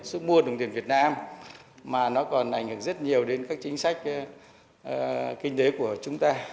sức mua đồng tiền việt nam mà nó còn ảnh hưởng rất nhiều đến các chính sách kinh tế của chúng ta